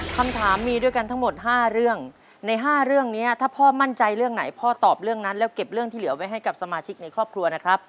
คำถามมีด้วยกันทั้งหมด๕เรื่องใน๕เรื่องนี้ถ้าพ่อมั่นใจเรื่องไหนพ่อตอบเรื่องนั้นแล้วเก็บเรื่องที่เหลือไว้ให้กับสมาชิกในครอบครัวนะครับ